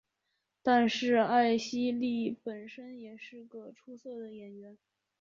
但是艾希莉本身也是个出色的演员。